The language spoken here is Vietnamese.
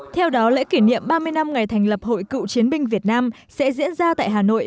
theo đó lễ kỷ niệm ba mươi năm ngày thành lập hội cựu chiến binh việt nam sẽ diễn ra tại hà nội